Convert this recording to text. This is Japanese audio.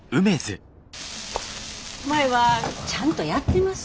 舞はちゃんとやってます？